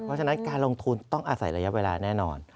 เพราะฉะนั้นการลงทุนต้องอาศัยระยะเวลาแน่นอน